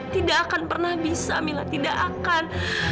tidak akan pernah bisa mila tidak akan